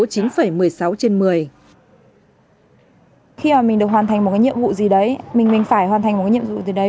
khi mà mình được hoàn thành một nhiệm vụ gì đấy mình phải hoàn thành một nhiệm vụ gì đấy